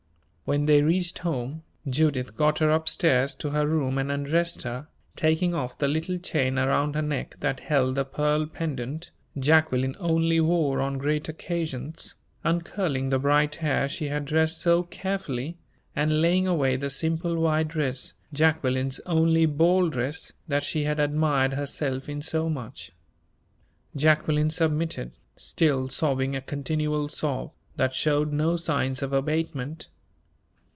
When they reached home, Judith got her up stairs to her room and undressed her, taking off the little chain around her neck that held the pearl pendant Jacqueline only wore on great occasions, uncurling the bright hair she had dressed so carefully, and laying away the simple white dress Jacqueline's only ball dress that she had admired herself in so much. Jacqueline submitted, still sobbing a continual sob, that showed no signs of abatement.